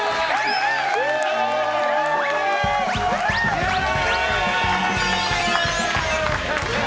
イエーイ！